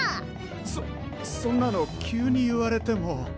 そそんなの急に言われても。